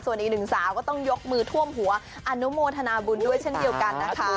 ส่วนอีกหนึ่งสาวก็ต้องยกมือท่วมหัวอนุโมทนาบุญด้วยเช่นเดียวกันนะคะ